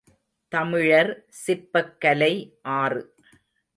தமிழர் சிற்பக் கலை ஆறு.